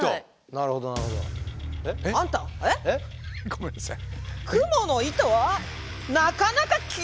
なるほどなるほど。えっ！？ごめんなさい。